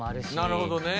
なるほどね。